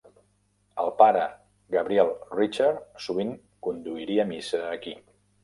El pare Gabriel Richard sovint conduiria Missa aquí.